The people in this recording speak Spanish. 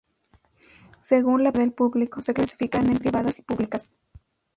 Según la presencia de público, se clasifican en privadas y públicas.